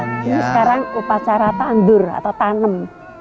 ini sekarang upacara tandur atau tanem